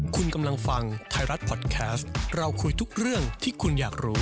คุณกำลังฟังไทยรัฐพอดแคสต์เราคุยทุกเรื่องที่คุณอยากรู้